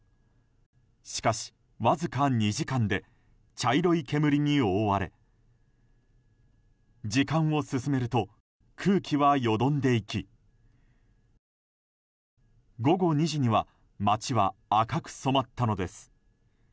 しかし、わずか２時間で茶色い煙に覆われ時間を進めると空気はよどんでいき午後２時には街は赤く染まったのです。